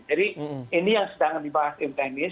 jadi ini yang sedang dibahas di teknis